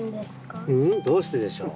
どうしてでしょう？